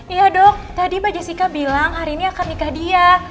iya dok tadi mbak jessica bilang hari ini akan nikah dia